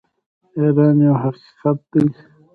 ایران یو حقیقت دی.